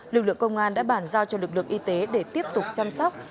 lực lượng công an đã bản giao cho lực lượng y tế để tiếp tục chăm sóc